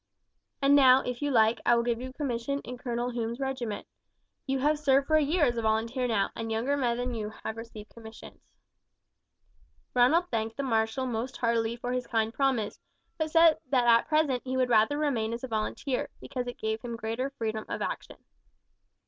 And now, if you like, I will give you a commission in Colonel Hume's regiment. You have served for a year as a volunteer now, and younger men than you have received commissions." Ronald thanked the marshal most heartily for his kind promise, but said that at present he would rather remain as a volunteer, because it gave him greater freedom of action.